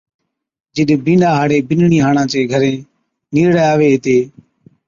جِڏَ بِينڏا ھاڙي بِينڏڙِي ھاڙان چين گھر نيڙي آوي ھِتي